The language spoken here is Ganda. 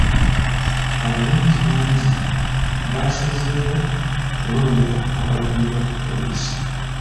Abalonzi bangi baasazeewo kulondera awalonderwa ku poliisi.